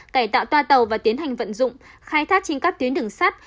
cải tạo toa tàu và tiến hành vận dụng khai thác trên các tuyến đường sắt